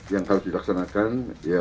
yang harus dilaksanakan